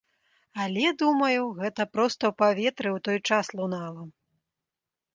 Але думаю, гэта проста ў паветры ў той час лунала.